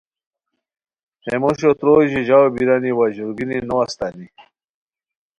ہے موشو تروئے ژیژاؤ بیرانی، وا ژور گینی نو استانی